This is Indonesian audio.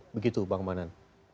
begitu bang manan